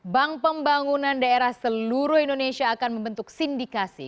bank pembangunan daerah seluruh indonesia akan membentuk sindikasi